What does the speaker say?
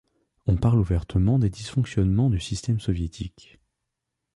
On parle ouvertement des dysfonctionnements du système soviétique.